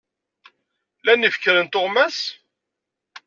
Lan yifekren tuɣmas?